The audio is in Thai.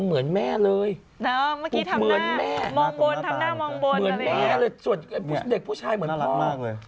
เหมือนแม่เลยส่วนเด็กผู้ชายเหมือนพ่อ